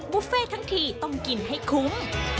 บุฟเฟ่ทั้งทีต้องกินให้คุ้ม